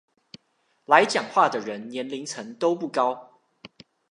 來講話的人年齡層都不高